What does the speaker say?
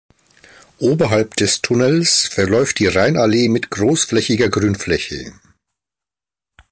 Oberhalb des Tunnels verläuft die Rheinallee mit großflächiger Grünfläche.